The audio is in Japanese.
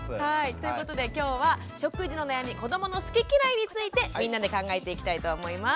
ということできょうは食事の悩み子どもの好き嫌いについてみんなで考えていきたいと思います。